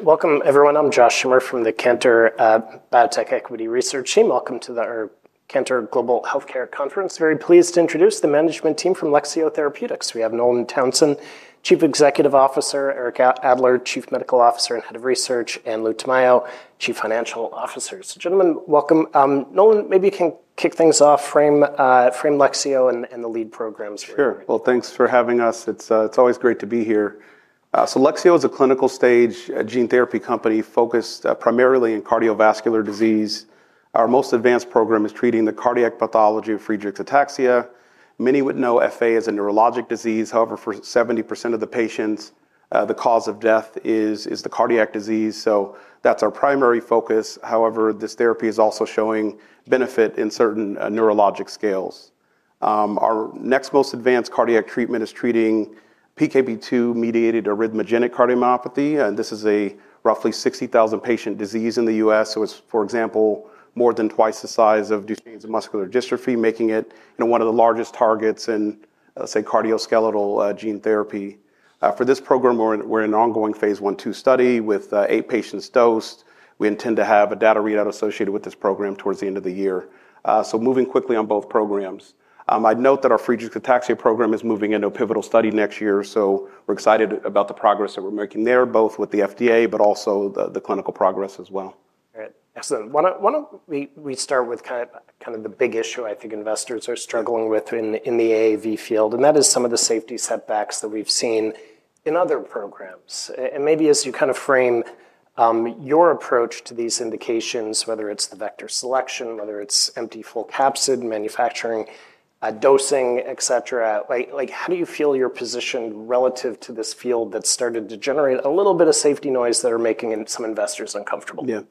Welcome, everyone. I'm Josh Schumer from the Kantar Biotech Equity Research Team. Welcome to the Kantar Global Healthcare Conference. Very pleased to introduce the management team from Lexeo Therapeutics. We have Nolan Townsend, Chief Executive Officer, Eric Adler, Chief Medical Officer and Head of Research, and Louis Tamayo, Chief Financial Officer. Gentlemen, welcome. Nolan, maybe you can kick things off, frame Lexeo and the lead programs. Sure. Thanks for having us. It's always great to be here. Lexeo Therapeutics is a clinical-stage gene therapy company focused primarily on cardiovascular disease. Our most advanced program is treating the cardiac pathology of Friedreich's ataxia. Many would know FA as a neurologic disease. However, for 70% of the patients, the cause of death is the cardiac disease. That's our primary focus. However, this therapy is also showing benefit in certain neurologic scales. Our next most advanced cardiac treatment is treating PKP2-mediated arrhythmogenic cardiomyopathy. This is a roughly 60,000-patient disease in the U.S. For example, it's more than 2x the size of duchenne muscular dystrophy, making it one of the largest targets in, let's say, cardiovascular gene therapy. For this program, we're in an ongoing phase 1/2 study with eight patients dosed. We intend to have a data readout associated with this program towards the end of the year. Moving quickly on both programs, I'd note that our Friedreich's ataxia program is moving into a pivotal study next year. We're excited about the progress that we're making there, both with the FDA, but also the clinical progress as well. All right. I want to restart with kind of the big issue I think investors are struggling with in the AAV field. That is some of the safety setbacks that we've seen in other programs. Maybe as you kind of frame your approach to these indications, whether it's the vector selection, whether it's empty full capsid manufacturing, dosing, et cetera, how do you feel your position relative to this field that's started to generate a little bit of safety noise that are making some investors uncomfortable? Yeah.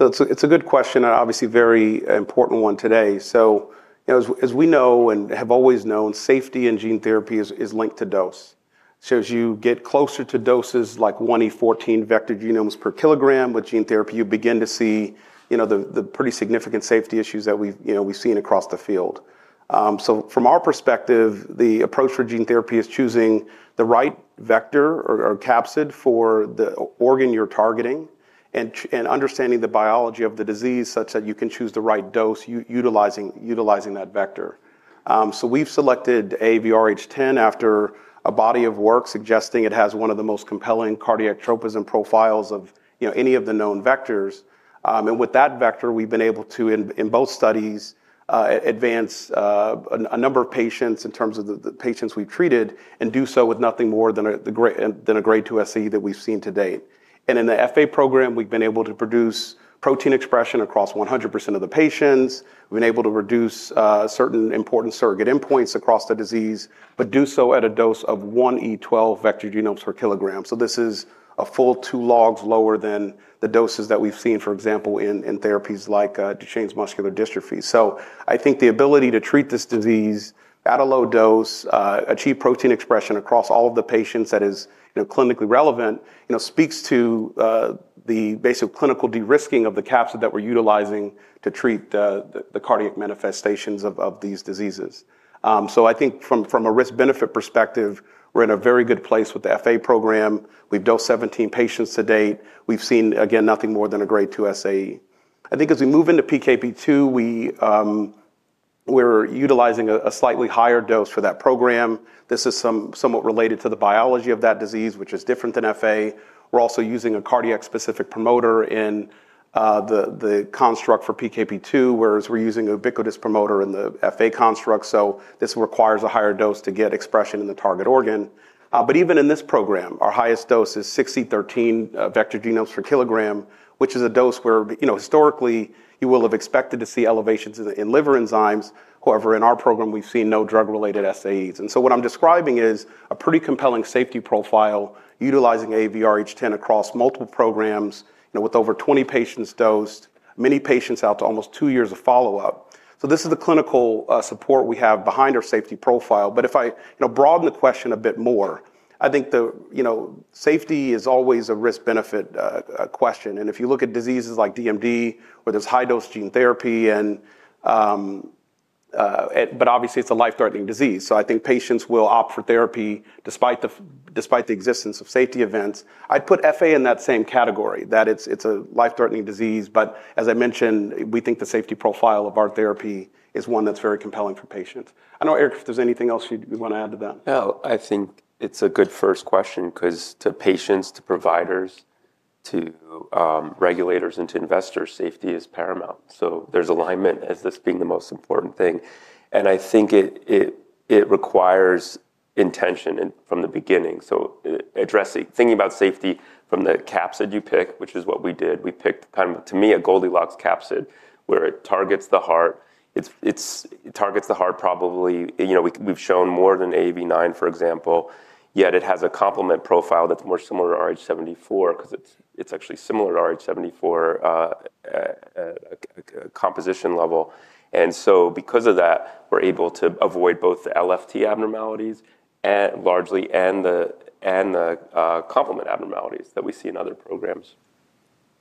It's a good question and obviously a very important one today. As we know and have always known, safety in gene therapy is linked to dose. As you get closer to doses like 1e14 vg per kg with gene therapy, you begin to see the pretty significant safety issues that we've seen across the field. From our perspective, the approach for gene therapy is choosing the right vector or capsid for the organ you're targeting and understanding the biology of the disease such that you can choose the right dose utilizing that vector. We've selected AAVRH10 after a body of work suggesting it has one of the most compelling cardiac tropism profiles of any of the known vectors. With that vector, we've been able to, in both studies, advance a number of patients in terms of the patients we've treated and do so with nothing more than a grade 2 SAE that we've seen to date. In the FA program, we've been able to produce protein expression across 100% of the patients. We've been able to reduce certain important surrogate endpoints across the disease, but do so at a dose of 1e12 vg per kg. This is a full two logs lower than the doses that we've seen, for example, in therapies like Duchenne's muscular dystrophy. I think the ability to treat this disease at a low dose, achieve protein expression across all of the patients that is clinically relevant, speaks to the basic clinical de-risking of the capsid that we're utilizing to treat the cardiac manifestations of these diseases. I think from a risk-benefit perspective, we're in a very good place with the FA program. We've dosed 17 patients to date. We've seen, again, nothing more than a grade 2 SAE. I think as we move into PKP2, we're utilizing a slightly higher dose for that program. This is somewhat related to the biology of that disease, which is different than FA. We're also using a cardiac-specific promoter in the construct for PKP2, whereas we're using an ubiquitous promoter in the FA construct. This requires a higher dose to get expression in the target organ. Even in this program, our highest dose is 6e13 vg per kg, which is a dose where, historically, you would have expected to see elevations in liver enzymes. However, in our program, we've seen no drug-related SAEs. What I'm describing is a pretty compelling safety profile utilizing AAVrh.10 across multiple programs with over 20 patients dosed, many patients out to almost two years of follow-up. This is the clinical support we have behind our safety profile. If I broaden the question a bit more, I think safety is always a risk-benefit question. If you look at diseases like DMD, where there's high-dose gene therapy, obviously, it's a life-threatening disease. I think patients will opt for therapy despite the existence of safety events. I'd put FA in that same category, that it's a life-threatening disease. As I mentioned, we think the safety profile of our therapy is one that's very compelling for patients. I don't know, Eric, if there's anything else you want to add to that. No, I think it's a good first question because to patients, to providers, to regulators, and to investors, safety is paramount. There's alignment as this being the most important thing. I think it requires intention from the beginning. Thinking about safety from the capsid you pick, which is what we did, we picked kind of, to me, a Goldilocks capsid where it targets the heart. It targets the heart probably. We've shown more than AAV9, for example. Yet, it has a complement profile that's more similar to rh74 because it's actually similar to rh74 composition level. Because of that, we're able to avoid both the LFT abnormalities largely and the complement abnormalities that we see in other programs.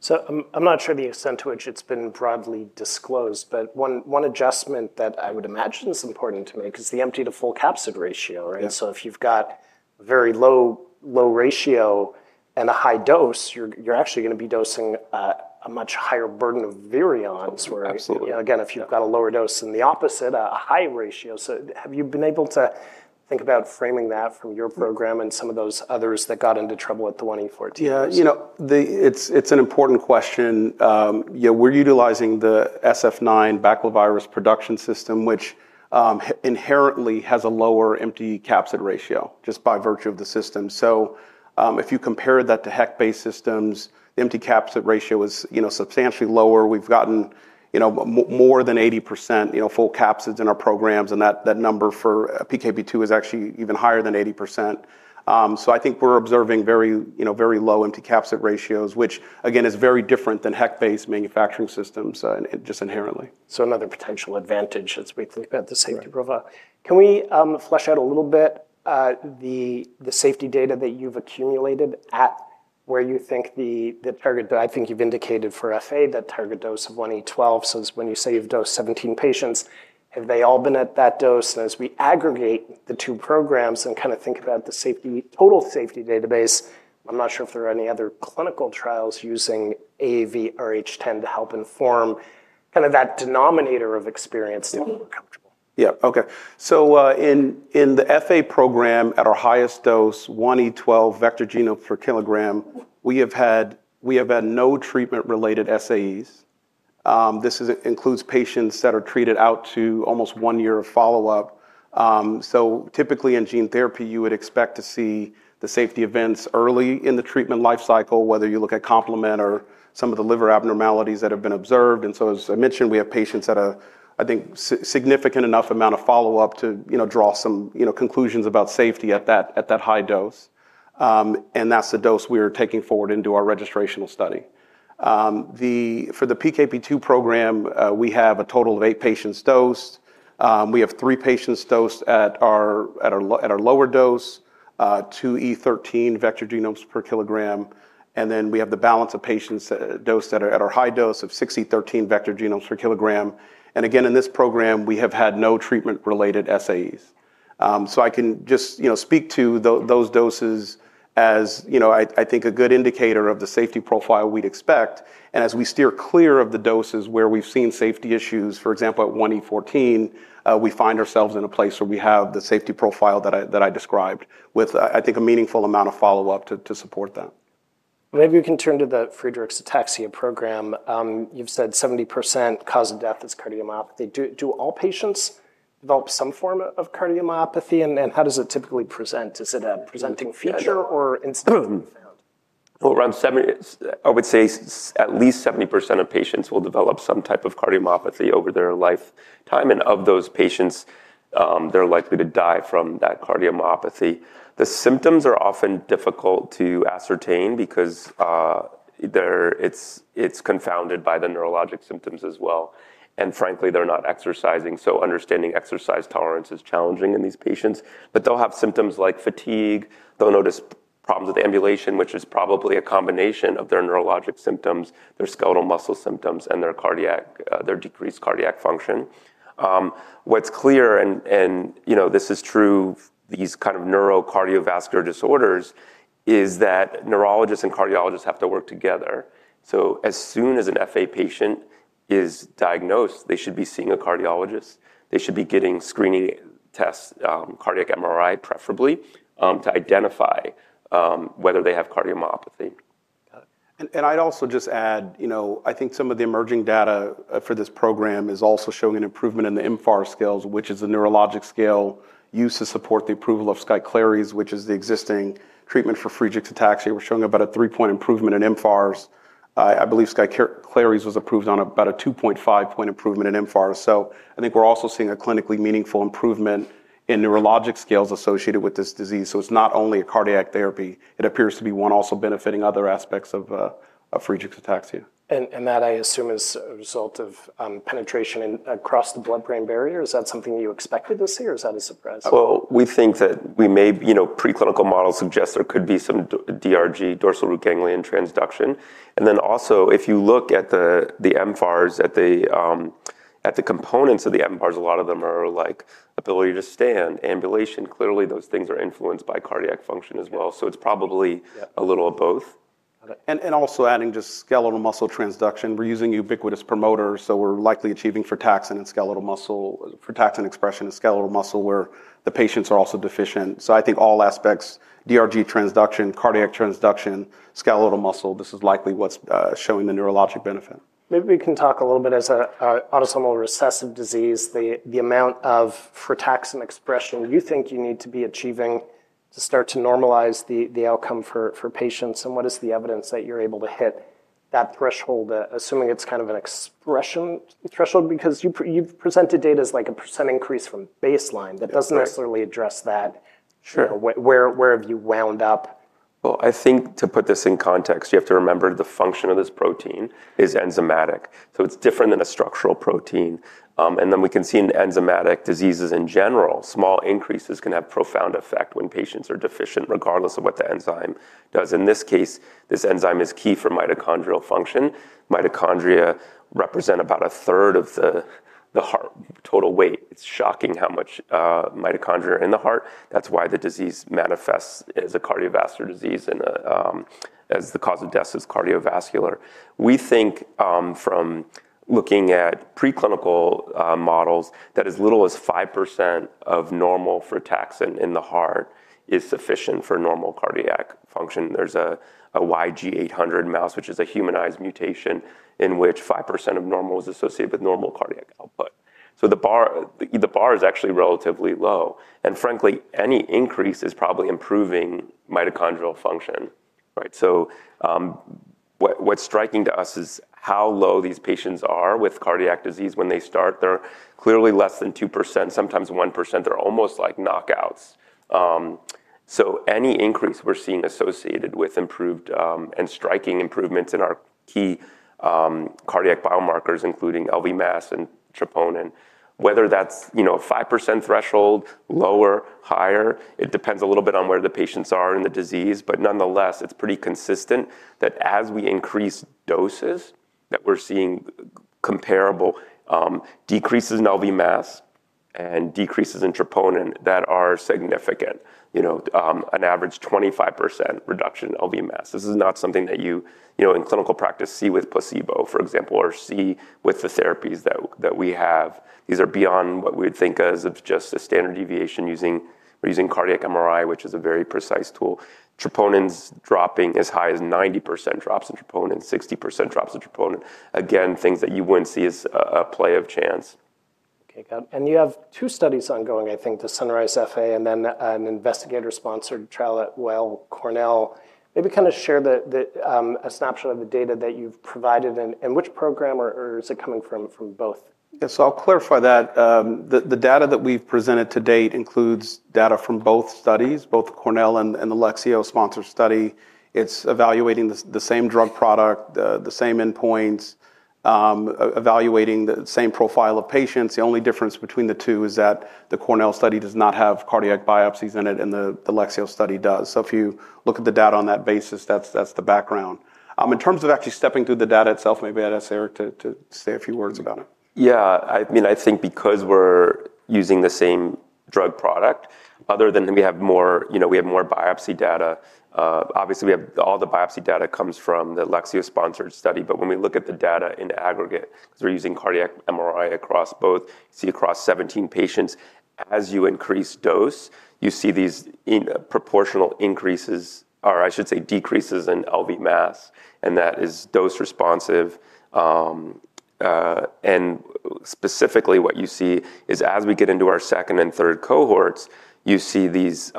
I'm not sure the extent to which it's been broadly disclosed, but one adjustment that I would imagine is important to me is the empty to full capsid ratio, right? If you've got a very low ratio and a high dose, you're actually going to be dosing a much higher burden of virions. Absolutely. If you've got a lower dose and the opposite, a high ratio, have you been able to think about framing that from your program and some of those others that got into trouble with the 1e14? It's an important question. We're utilizing the Sf9 Baculovirus Production System, which inherently has a lower empty capsid ratio just by virtue of the system. If you compare that to HEK-based systems, empty capsid ratio is substantially lower. We've gotten more than 80% full capsids in our programs, and that number for PKP2 is actually even higher than 80%. I think we're observing very low empty capsid ratios, which, again, is very different than HEK-based manufacturing systems just inherently. Another potential advantage as we think about the safety profile. Can we flesh out a little bit the safety data that you've accumulated at where you think the target that I think you've indicated for FA, that target dose of 1e12? When you say you've dosed 17 patients, have they all been at that dose? As we aggregate the two programs and kind of think about the total safety database, I'm not sure if there are any other clinical trials using AAVrh.10 to help inform kind of that denominator of experience to feel comfortable. Yeah, OK. In the FA program at our highest dose, 1e12 vg per kg, we have had no treatment-related SAEs. This includes patients that are treated out to almost one year of follow-up. Typically, in gene therapy, you would expect to see the safety events early in the treatment lifecycle, whether you look at complement or some of the liver abnormalities that have been observed. As I mentioned, we have patients at, I think, significant enough amount of follow-up to draw some conclusions about safety at that high dose. That's the dose we're taking forward into our registration study. For the PKP2 program, we have a total of eight patients dosed. We have three patients dosed at our lower dose, 2e13 vg per kg. We have the balance of patients dosed at our high dose of 6e13 vg per kg. Again, in this program, we have had no treatment-related SAEs. I can just speak to those doses as, you know, I think, a good indicator of the safety profile we'd expect. As we steer clear of the doses where we've seen safety issues, for example, at 1e14, we find ourselves in a place where we have the safety profile that I described with, I think, a meaningful amount of follow-up to support that. Maybe we can turn to the Friedreich Ataxia program. You've said 70% cause of death is cardiomyopathy. Do all patients develop some form of cardiomyopathy? How does it typically present? Is it a presenting feature or instead? I would say at least 70% of patients will develop some type of cardiomyopathy over their lifetime. Of those patients, they're likely to die from that cardiomyopathy. The symptoms are often difficult to ascertain because it's confounded by the neurologic symptoms as well. Frankly, they're not exercising. Understanding exercise tolerance is challenging in these patients. They'll have symptoms like fatigue. They'll notice problems with ambulation, which is probably a combination of their neurologic symptoms, their skeletal muscle symptoms, and their decreased cardiac function. What's clear, and this is true of these kind of neurocardiovascular disorders, is that neurologists and cardiologists have to work together. As soon as an FA patient is diagnosed, they should be seeing a cardiologist. They should be getting screening tests, cardiac MRI preferably, to identify whether they have cardiomyopathy. I'd also just add, you know, I think some of the emerging data for this program is also showing an improvement in the mFARS scale, which is a neurologic scale used to support the approval of Skyclarys, which is the existing treatment for Friedreich's ataxia. We're showing about a 3-point improvement in mFARS. I believe Skyclarys was approved on about a 2.5-point improvement in mFARS. I think we're also seeing a clinically meaningful improvement in neurologic scales associated with this disease. It's not only a cardiac therapy. It appears to be one also benefiting other aspects of Friedreich's ataxia. I assume that is a result of penetration across the blood-brain barrier. Is that something you expected to see, or is that a surprise? We think that we may, preclinical models suggest there could be some DRG, Dorsal Root Ganglion, transduction. If you look at the mFARS, at the components of the mFARS, a lot of them are like ability to stand, ambulation. Clearly, those things are influenced by cardiac function as well. It's probably a little of both. Got it. Also, adding just skeletal muscle transduction, we're using ubiquitous promoters. We're likely achieving frataxin expression in skeletal muscle where the patients are also deficient. I think all aspects, DRG transduction, cardiac transduction, skeletal muscle, this is likely what's showing the neurologic benefit. Maybe we can talk a little bit as an autosomal recessive disease, the amount of frataxin expression you think you need to be achieving to start to normalize the outcome for patients. What is the evidence that you're able to hit that threshold, assuming it's kind of an expression threshold? You've presented data as like a % increase from baseline. That doesn't necessarily address that. Sure. Where have you wound up? I think to put this in context, you have to remember the function of this protein is enzymatic. It's different than a structural protein. We can see in enzymatic diseases in general, small increases can have profound effect when patients are deficient, regardless of what the enzyme does. In this case, this enzyme is key for mitochondrial function. Mitochondria represent about a 1/3 of the heart total weight. It's shocking how much mitochondria are in the heart. That's why the disease manifests as a cardiovascular disease and as the cause of death is cardiovascular. We think from looking at preclinical models that as little as 5% of normal frataxin in the heart is sufficient for normal cardiac function. There's a YG-800 mouse, which is a humanized mutation in which 5% of normal is associated with normal cardiac output. The bar is actually relatively low. Frankly, any increase is probably improving mitochondrial function. What's striking to us is how low these patients are with cardiac disease when they start. They're clearly less than 2%, sometimes 1%. They're almost like knockouts. Any increase we're seeing is associated with improved and striking improvements in our key cardiac biomarkers, including LV mass and troponin, whether that's a 5% threshold, lower, higher, it depends a little bit on where the patients are in the disease. Nonetheless, it's pretty consistent that as we increase doses, we're seeing comparable decreases in LV mass and decreases in troponin that are significant, an average 25% reduction in LV mass. This is not something that you, in clinical practice, see with placebo, for example, or see with the therapies that we have. These are beyond what we would think of as just a standard deviation. We're using cardiac MRI, which is a very precise tool. Troponins dropping as high as 90% drops in troponin, 60% drops in troponin. Again, things that you wouldn't see as a play of chance. OK. You have two studies ongoing, I think, to summarize FA and then an investigator-sponsored trial at Weill Cornell. Maybe kind of share a snapshot of the data that you've provided. Which program, or is it coming from both? Yes, I'll clarify that. The data that we've presented to date includes data from both studies, both the Cornell and the Lexeo sponsored study. It's evaluating the same drug product, the same endpoints, evaluating the same profile of patients. The only difference between the two is that the Cornell study does not have cardiac biopsies in it, and the Lexeo study does. If you look at the data on that basis, that's the background. In terms of actually stepping through the data itself, maybe I'd ask Eric to say a few words about it. Yeah, I mean, I think because we're using the same drug product, other than we have more biopsy data, obviously, all the biopsy data comes from the Lexeo-sponsored study. When we look at the data in aggregate, because we're using cardiac MRI across both, you see across 17 patients, as you increase dose, you see these proportional increases, or I should say decreases, in LV mass. That is dose- responsive. Specifically, what you see is as we get into our second and third cohorts, you see these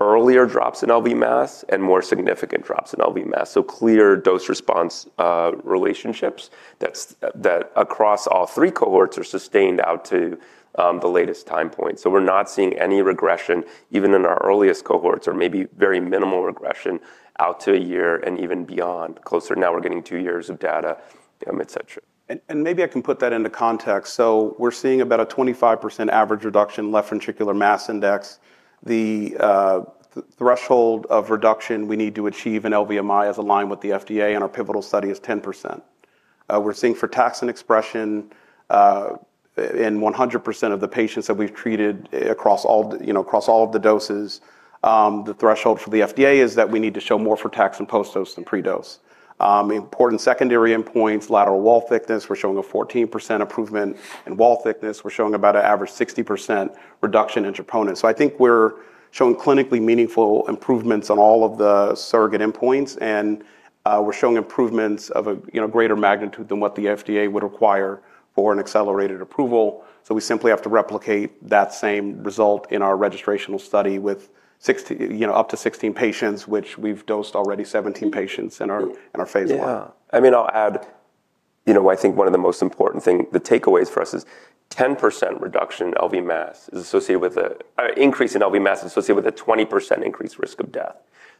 earlier drops in LV mass and more significant drops in LV mass. Clear dose response relationships across all three cohorts are sustained out to the latest time point. We're not seeing any regression, even in our earliest cohorts, or maybe very minimal regression out to a year and even beyond. Closer now, we're getting two years of data, et cetera. Maybe I can put that into context. We're seeing about a 25% average reduction in left ventricular mass index. The threshold of reduction we need to achieve in LVMI is aligned with the FDA, and our pivotal study is 10%. We're seeing frataxin expression in 100% of the patients that we've treated across all of the doses. The threshold for the FDA is that we need to show more frataxin post-dose than pre-dose. Important secondary endpoints, lateral wall thickness, we're showing a 14% improvement in wall thickness. We're showing about an average 60% reduction in troponin. I think we're showing clinically meaningful improvements on all of the surrogate endpoints. We're showing improvements of a greater magnitude than what the FDA would require for an accelerated approval. We simply have to replicate that same result in our registration study with up to 16 patients, which we've dosed already 17 patients in our Phase 1. I mean, I'll add, I think one of the most important things, the takeaways for us is 10% reduction in LV mass is associated with an increase in LV mass associated with a 20% increased risk of death.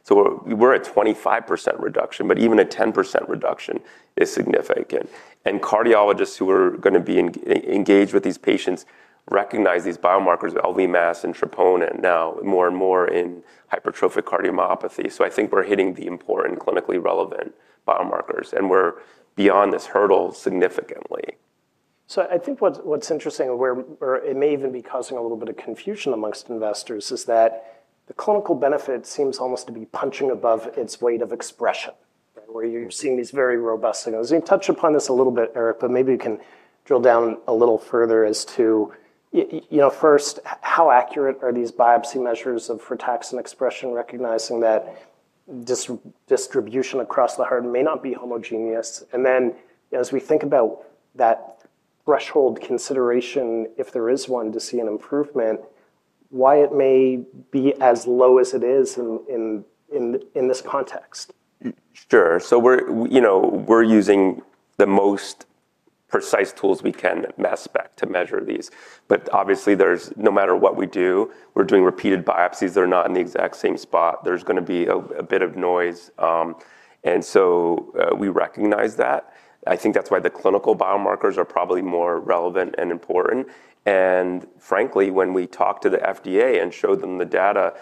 We're at 25% reduction, but even a 10% reduction is significant. Cardiologists who are going to be engaged with these patients recognize these biomarkers of LV mass and troponin now more and more in hypertrophic cardiomyopathy. I think we're hitting the important clinically relevant biomarkers. We're beyond this hurdle significantly. I think what's interesting, or it may even be causing a little bit of confusion amongst investors, is that the clinical benefit seems almost to be punching above its weight of expression, where you're seeing these very robust signals. You touched upon this a little bit, Eric, but maybe you can drill down a little further as to, you know, first, how accurate are these biopsy measures of frataxin expression, recognizing that this distribution across the heart may not be homogeneous? As we think about that threshold consideration, if there is one to see an improvement, why it may be as low as it is in this context? Sure. We're using the most precise tools we can at mass spec to measure these. Obviously, no matter what we do, we're doing repeated biopsies. They're not in the exact same spot. There's going to be a bit of noise. We recognize that. I think that's why the clinical biomarkers are probably more relevant and important. Frankly, when we talked to the FDA and showed them the data,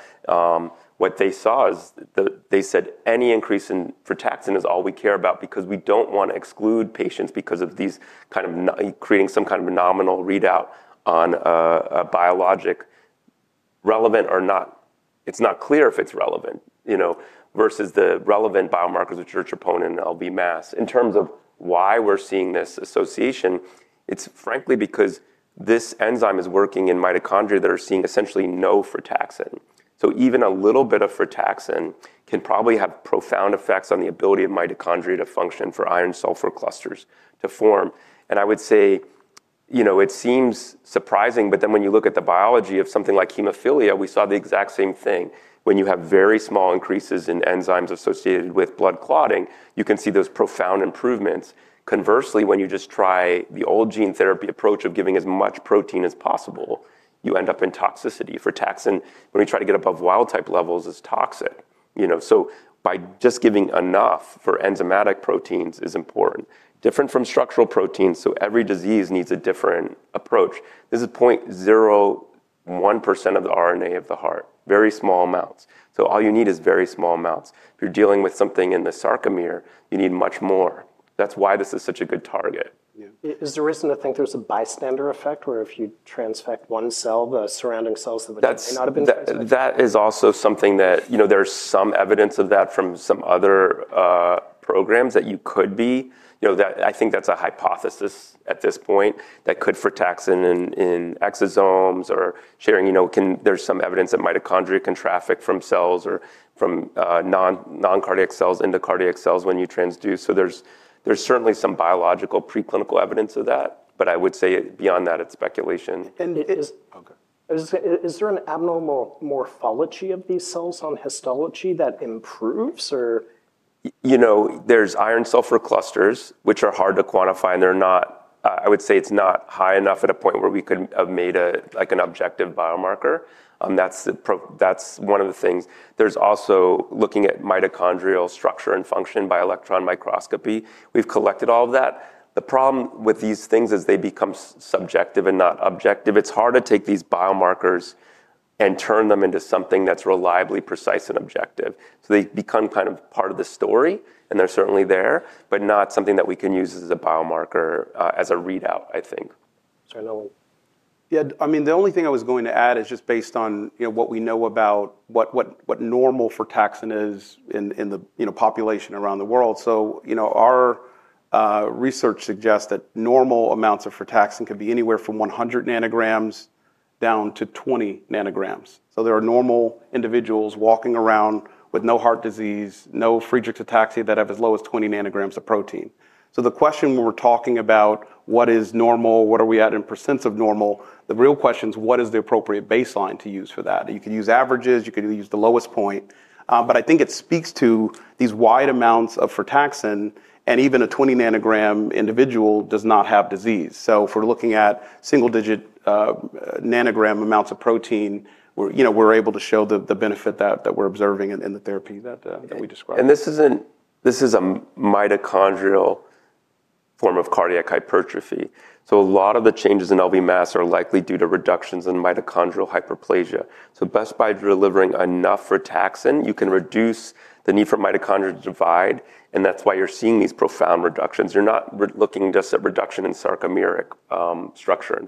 what they saw is that they said any increase in frataxin is all we care about because we don't want to exclude patients because of these kind of creating some kind of a nominal readout on a biologic, relevant or not. It's not clear if it's relevant versus the relevant biomarkers, which are troponin and LV mass. In terms of why we're seeing this association, it's frankly because this enzyme is working in mitochondria that are seeing essentially no frataxin. Even a little bit of frataxin can probably have profound effects on the ability of mitochondria to function for iron sulfur clusters to form. I would say, you know, it seems surprising, but when you look at the biology of something like hemophilia, we saw the exact same thing. When you have very small increases in enzymes associated with blood clotting, you can see those profound improvements. Conversely, when you just try the old gene therapy approach of giving as much protein as possible, you end up in toxicity. Frataxin, when you try to get above wild type levels, is toxic. By just giving enough for enzymatic proteins is important, different from structural proteins. Every disease needs a different approach. This is 0.01% of the RNA of the heart, very small amounts. All you need is very small amounts. If you're dealing with something in the sarcomere, you need much more. That's why this is such a good target. Is there a reason to think there's a bystander effect, where if you transfect one cell, the surrounding cells may not have been? That is also something that there's some evidence of from some other programs that you could be. I think that's a hypothesis at this point that could be frataxin in exosomes or sharing. There's some evidence that mitochondria can traffic from cells or from non-cardiac cells into cardiac cells when you transduce. There's certainly some biological preclinical evidence of that. I would say beyond that, it's speculation. Is there an abnormal morphology of these cells on histology that improves? are iron sulfur clusters, which are hard to quantify. I would say it's not high enough at a point where we could have made an objective biomarker. That's one of the things. There is also looking at mitochondrial structure and function by electron microscopy. We've collected all of that. The problem with these things is they become subjective and not objective. It's hard to take these biomarkers and turn them into something that's reliably precise and objective. They become kind of part of the story. They're certainly there, but not something that we can use as a biomarker as a readout, I think. Sorry, Nolan. Yeah, I mean, the only thing I was going to add is just based on what we know about what normal frataxin is in the population around the world. Our research suggests that normal amounts of frataxin could be anywhere from 100 ng down to 20 ng. There are normal individuals walking around with no heart disease, no Friedreich's ataxia that have as low as 20 ng of protein. The question when we're talking about what is normal, what are we at in % of normal, the real question is what is the appropriate baseline to use for that. You could use averages. You could use the lowest point. I think it speaks to these wide amounts of frataxin, and even a 20-ng individual does not have disease. If we're looking at single-digit nanogram amounts of protein, we're able to show the benefit that we're observing in the therapy that we described. This is a mitochondrial form of cardiac hypertrophy. A lot of the changes in LV mass are likely due to reductions in mitochondrial hyperplasia. By delivering enough frataxin, you can reduce the need for mitochondrial divide, which is why you're seeing these profound reductions. You're not looking just at reduction in sarcomeric structure and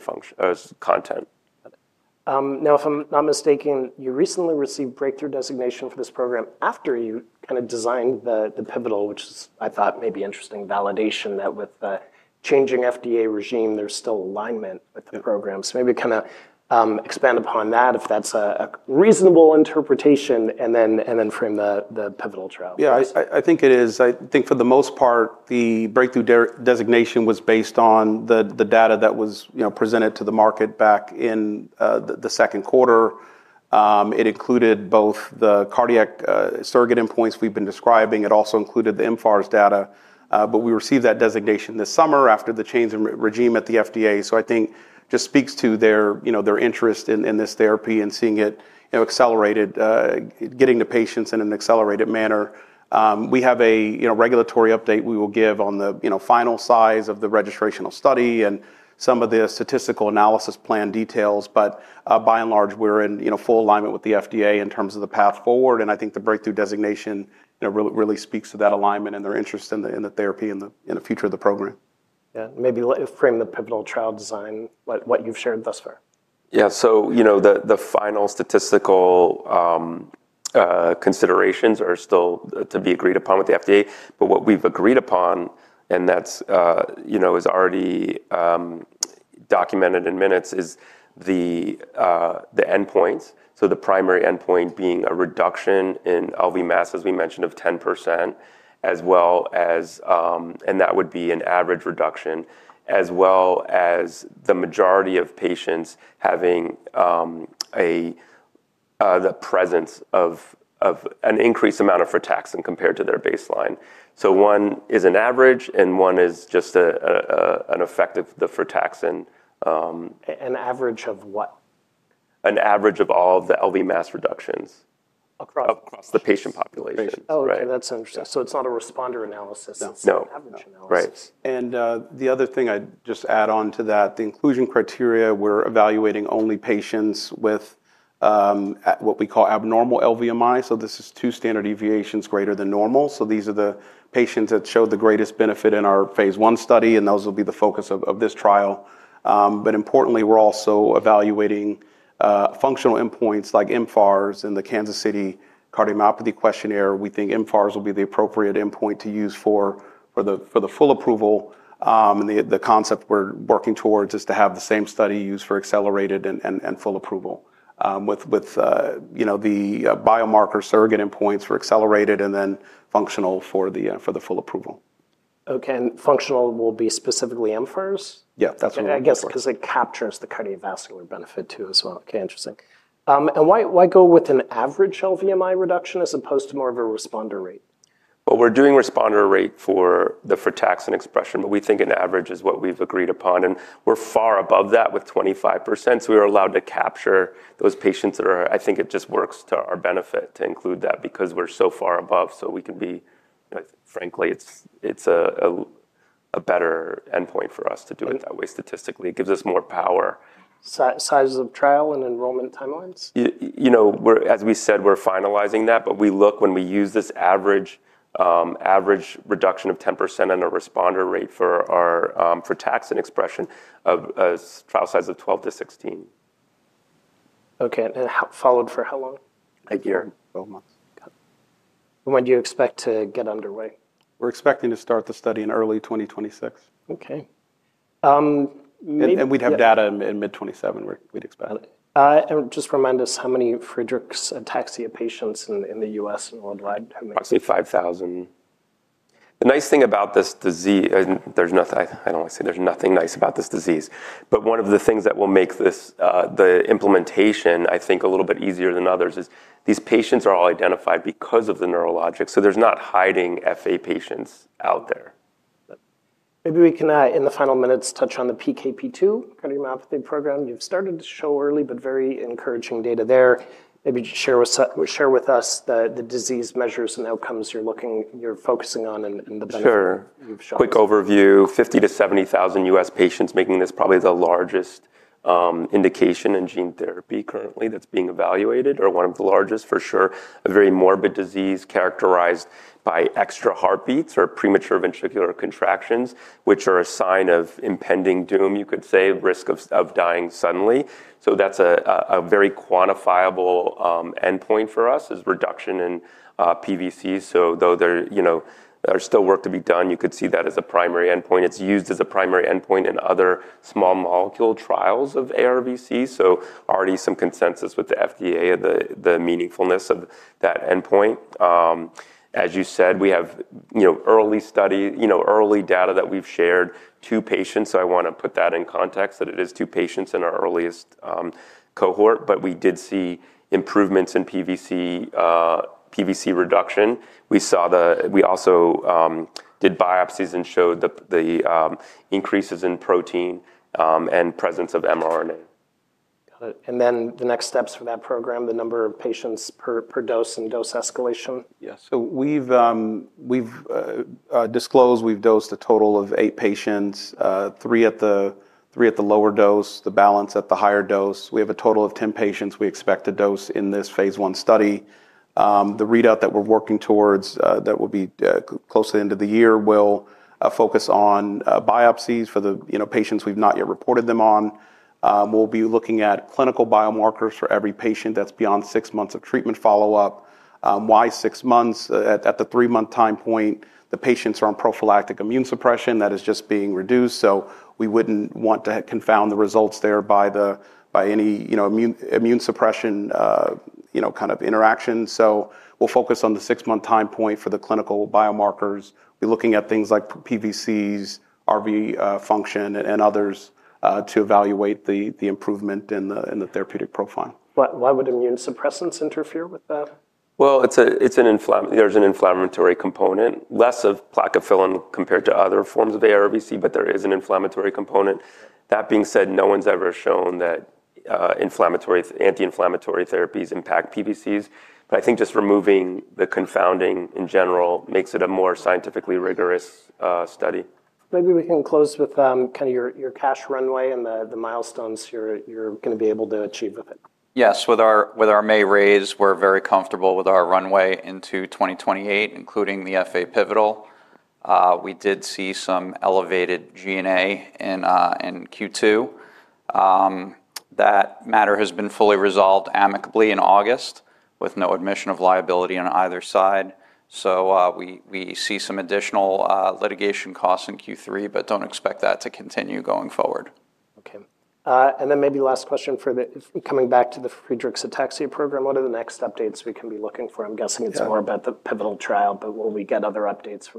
content. Got it. Now, if I'm not mistaken, you recently received breakthrough designation for this program after you kind of designed the pivotal, which I thought may be interesting validation that with the changing FDA regime, there's still alignment with the program. Maybe kind of expand upon that if that's a reasonable interpretation and then frame the pivotal trial. Yeah, I think it is. I think for the most part, the breakthrough designation was based on the data that was presented to the market back in the second quarter. It included both the cardiac surrogate endpoints we've been describing. It also included the mFARS data. We received that designation this summer after the change in regime at the FDA. I think it just speaks to their interest in this therapy and seeing it accelerated, getting to patients in an accelerated manner. We have a regulatory update we will give on the final size of the registration study and some of the statistical analysis plan details. By and large, we're in full alignment with the FDA in terms of the path forward. I think the breakthrough designation really speaks to that alignment and their interest in the therapy and the future of the program. Yeah, maybe frame the pivotal trial design, what you've shared thus far. Yeah, the final statistical considerations are still to be agreed upon with the FDA. What we've agreed upon, and that is already documented in minutes, is the endpoints. The primary endpoint is a reduction in LV mass, as we mentioned, of 10%, and that would be an average reduction, as well as the majority of patients having the presence of an increased amount of frataxin compared to their baseline. One is an average, and one is just an effect of the frataxin. An average of what? An average of all of the LV mass reductions. Across? Across the patient population. Oh, OK, that's interesting. It's not a responder analysis. No, right. I'd just add on to that, the inclusion criteria, we're evaluating only patients with what we call abnormal LV MI. This is two standard deviations greater than normal. These are the patients that showed the greatest benefit in our Phase 1 study. Those will be the focus of this trial. Importantly, we're also evaluating functional endpoints like mFARS and the Kansas City Cardiomyopathy Questionnaire. We think mFARS will be the appropriate endpoint to use for the full approval. The concept we're working towards is to have the same study used for accelerated and full approval, with the biomarker surrogate endpoints for accelerated and then functional for the full approval. OK, and functional will be specifically mFARS? Yeah, that's what we're looking for. I guess because it captures the cardiovascular benefit too as well. OK, interesting. Why go with an average LVMI reduction as opposed to more of a responder rate? We're doing responder rate for the frataxin expression. We think an average is what we've agreed upon, and we're far above that with 25%. We were allowed to capture those patients that are, I think it just works to our benefit to include that because we're so far above. We can be, frankly, it's a better endpoint for us to do it that way statistically. It gives us more power. Sizes of trial and enrollment timelines? As we said, we're finalizing that. We look when we use this average reduction of 10% and a responder rate for our frataxin expression of trial size of 12- 16. OK, and followed for how long? A year. 12 months. Got it. When do you expect to get underway? We're expecting to start the study in early 2026. OK. We'd have data in mid 2027, we'd expect. Got it. Just remind us, how many Friedreich's ataxia patients in the U.S. and worldwide? I'd say 5,000. The nice thing about this disease, and I don't want to say there's nothing nice about this disease, but one of the things that will make the implementation, I think, a little bit easier than others is these patients are all identified because of the neurologic. There's not hiding FA patients out there. Maybe we can, in the final minutes, touch on the PKP2 cardiomyopathy program. You've started to show early, but very encouraging data there. Maybe share with us the disease measures and outcomes you're looking, you're focusing on and the benefits. Sure. Quick overview, 50,000- 70,000 U.S. patients, making this probably the largest indication in gene therapy currently that's being evaluated or one of the largest for sure. A very morbid disease characterized by extra heartbeats or premature ventricular contractions, which are a sign of impending doom, you could say, risk of dying suddenly. That's a very quantifiable endpoint for us, reduction in PVCs. Though there's still work to be done, you could see that as a primary endpoint. It's used as a primary endpoint in other small molecule trials of ARVC. There is already some consensus with the FDA of the meaningfulness of that endpoint. As you said, we have early study, early data that we've shared, two patients. I want to put that in context that it is two patients in our earliest cohort. We did see improvements in PVC reduction. We also did biopsies and showed the increases in protein and presence of mRNA. Got it. The next steps for that program, the number of patients per dose and dose escalation? Yes. We've disclosed we've dosed a total of eight patients, three at the lower dose, the balance at the higher dose. We have a total of 10 patients we expect to dose in this Phase 1 study. The readout that we're working towards that will be close to the end of the year will focus on biopsies for the patients we've not yet reported on. We'll be looking at clinical biomarkers for every patient that's beyond six months of treatment follow-up. Why six months? At the three-month time point, the patients are on prophylactic immune suppression that is just being reduced. We wouldn't want to confound the results there by any immune suppression kind of interaction. We'll focus on the six-month time point for the clinical biomarkers. We're looking at things like PVCs, RV function, and others to evaluate the improvement in the therapeutic profile. Why would immune suppressants interfere with that? There is an inflammatory component, less of plakophilin compared to other forms of ARVC, but there is an inflammatory component. That being said, no one's ever shown that anti-inflammatory therapies impact PVCs. I think just removing the confounding in general makes it a more scientifically rigorous study. Maybe we can close with kind of your cash runway and the milestones you're going to be able to achieve with it. Yes, with our May raise, we're very comfortable with our runway into 2028, including the FA pivotal. We did see some elevated G&A in Q2. That matter has been fully resolved amicably in August with no admission of liability on either side. We see some additional litigation costs in Q3, but don't expect that to continue going forward. OK. Maybe last question for coming back to the Friedreich's ataxia program. What are the next updates we can be looking for? I'm guessing it's more about the pivotal trial. Will we get other updates?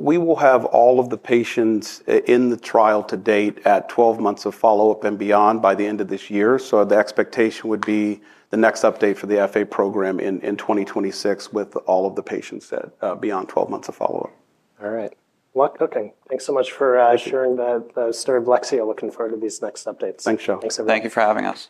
We will have all of the patients in the trial to date at 12 months of follow-up and beyond by the end of this year. The expectation would be the next update for the FA program in 2026 with all of the patients beyond 12 months of follow-up. All right. OK, thanks so much for sharing the story of Lexeo. Looking forward to these next updates. Thanks, Joe. Thanks everyone. Thank you for having us.